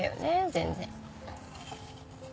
全然。